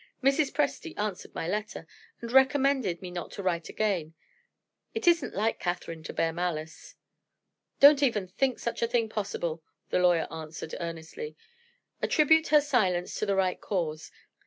Mrs. Presty answered my letter, and recommended me not to write again. It isn't like Catherine to bear malice." "Don't even think such a thing possible!" the lawyer answered, earnestly. "Attribute her silence to the right cause.